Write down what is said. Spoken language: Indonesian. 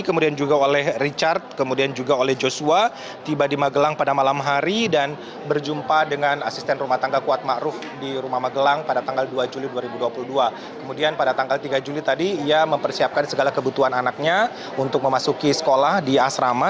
kemudian pada tanggal tiga juli tadi ia mempersiapkan segala kebutuhan anaknya untuk memasuki sekolah di asrama